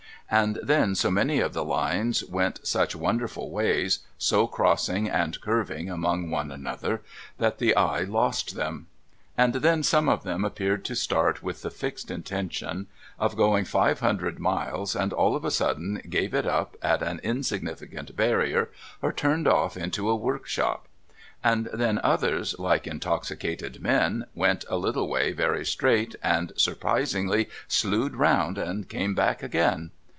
And then so many of the Lines went such wonderful ways, so crossing and curving among one another, that the eye lost them. And then some of them apjjcared to start with the fixed intention of going five hundred miles, and all of a sudden gave it up at an insignificant barrier, or turned off into a workshop. And then others, like intoxicated men, went a little way very straight, and surprisingly slued round and came back again.